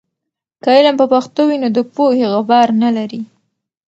که علم په پښتو وي، نو د پوهې غبار نلري.